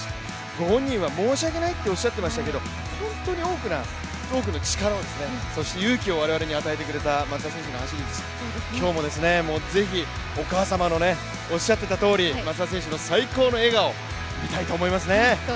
ご本人は申し訳ないっておっしゃったんですけど、本当に大きな力を、勇気を与えてくれた松田選手の走りでした今日もぜひお母様のおっしゃっていたとおり松田選手の最高の笑顔を見たいと思いますね。